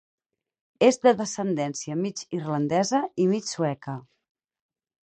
És de descendència mig irlandesa i mig sueca.